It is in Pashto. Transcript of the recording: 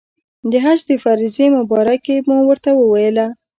د حج د فرضې مبارکي مو ورته وویله.